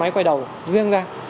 máy quay đầu riêng ra